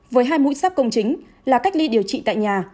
với hai mũi xác công chính là cách ly điều trị tại nhà